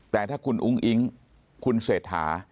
แต่ถ้าคุณอุ้งอิ๊งคุณเศรษฐา